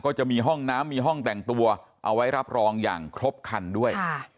จะมีห้องน้ำมีห้องแต่งตัวเอาไว้รับรองอย่างครบคันด้วย